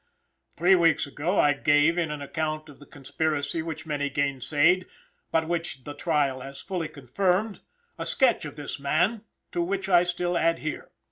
Three weeks ago I gave, in an account of the conspiracy which many gainsayed, but which the trial has fully confirmed, a sketch of this man, to which I still adhere.